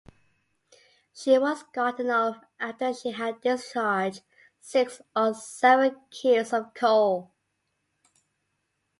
She was gotten off after she had discharged six or seven keels of coal.